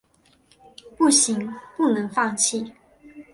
不行，不能放弃